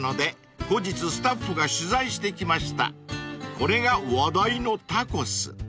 ［これが話題のタコス］